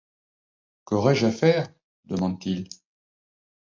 Qu’aurai-je à faire? demanda-t-il.